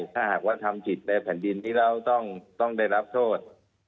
ถ้าหากว่าทำผิดในแผ่นดินนี้เราต้องได้รับโทษ